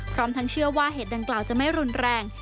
พร้อมทั้งเชื่อว่าเหตุดังกล่าวจะไม่รุนแรง